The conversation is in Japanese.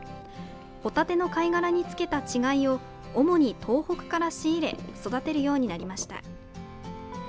ホタテの貝殻につけた稚貝を主に東北から仕入れ育てるようになりました。